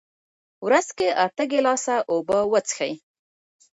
ورځ کې اته ګیلاسه اوبه وڅښئ.